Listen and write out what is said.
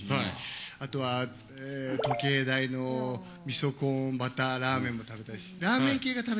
あとは、時計台の味噌コーンバターラーメンも食べたいし。